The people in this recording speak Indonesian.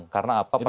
karena apa pernah